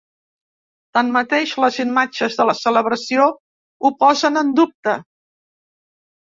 Tanmateix, les imatges de la celebració ho posen en dubte.